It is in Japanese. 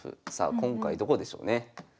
今回どこでしょうね。